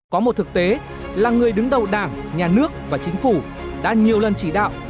có một thực tế là người đứng đầu đảng nhà nước và chính phủ đã nhiều lần chỉ đạo